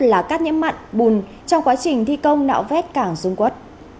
là cát nhiễm mặn bùn trong quá trình thi công nạo vét cảng dung quốc